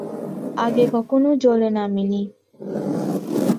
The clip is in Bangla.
আগে কখনো জলে নাবিনি।